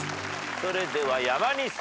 それでは山西さん。